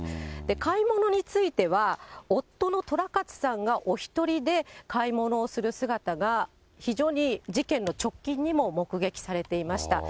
買い物については、夫のとらかつさんがお１人で買い物をする姿が、非常に事件の直近にも目撃されていました。